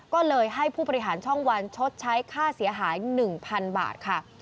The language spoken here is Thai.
ก็เลยให้ผู้บริหารช่องวันชดใช้ค่าเสียหาย๑๐๐๐บาทค่ะ